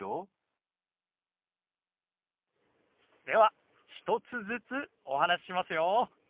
では１つずつお話ししますよ。